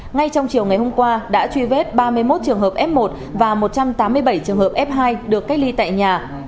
ngay trong chiều ngày hôm qua đã truy vết ba mươi một trường hợp f một và một trăm tám mươi bảy trường hợp f hai được cách ly tại nhà